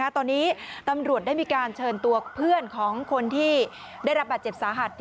ตอนนี้ตำรวจได้มีการเชิญตัวเพื่อนของคนที่ได้รับบาดเจ็บสาหัส